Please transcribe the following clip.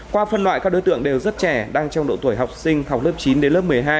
qua phân loại các đối tượng đều rất trẻ đang trong độ tuổi học sinh học lớp chín đến lớp một mươi hai